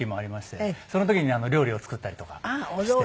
その時に料理を作ったりとかして。